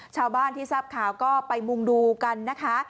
ชาวบ้านที่ทราบข่าวก็ไปมุ่งดูกันนะคะ